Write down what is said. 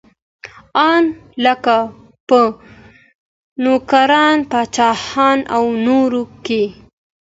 ان لکه په نوکران، پاچاهان او نور کې.